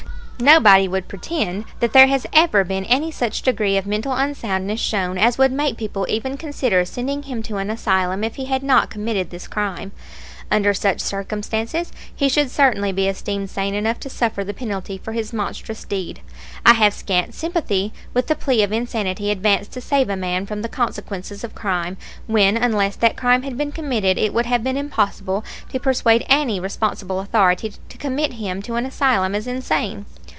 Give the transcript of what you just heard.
Nobody would pretend that there has ever been any such degree of mental unsoundness shown as would make people even consider sending him to an asylum if he had not committed this crime. Under such circumstances he should certainly be esteemed sane enough to suffer the penalty for his monstrous deed. I have scant sympathy with the plea of insanity advanced to save a man from the consequences of crime, when unless that crime had been committed it would have been impossible to persuade any responsible authority to commit him to an asylum as insane.